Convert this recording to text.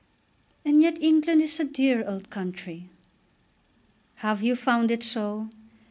"And yet England is a dear old country." "Have you found it so?